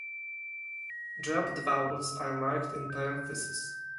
Dropped vowels are marked in parenthesis.